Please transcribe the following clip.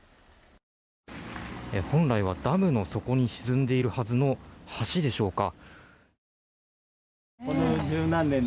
本来はダムの底に沈んでいるはずの橋でしょうか。